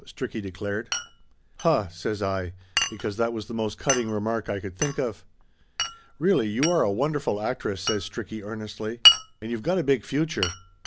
Stricky declared. "Huh!" says I, because that was the most cutting remark I could think of. "Really you are a wonderful actress," says Stricky earnestly. "And you've got a big future